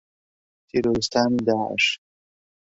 تیرۆریستانی داعش